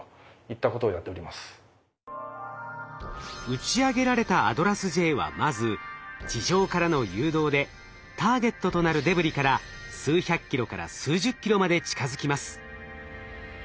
打ち上げられたＡＤＲＡＳ−Ｊはまず地上からの誘導でターゲットとなるデブリから数百ｋｍから数十ｋｍまで近づきます。